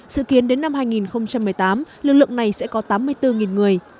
sự kiến đến năm hai nghìn một mươi tám lực lượng này sẽ có tám mươi bốn người